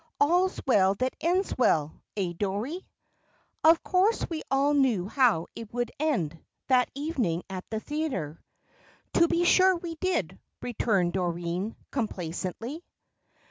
"'All's well that ends well,' eh, Dorrie? Of course we all knew how it would end, that evening at the theatre." "To be sure we did," returned Doreen, complacently.